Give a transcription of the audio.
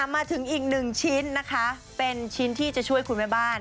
มาถึงอีกหนึ่งชิ้นนะคะเป็นชิ้นที่จะช่วยคุณแม่บ้าน